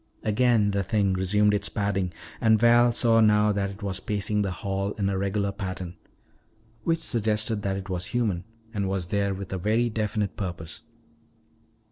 Again the thing resumed its padding and Val saw now that it was pacing the hall in a regular pattern. Which suggested that it was human and was there with a very definite purpose.